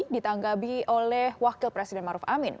ditanggapi oleh wakil presiden maruf amin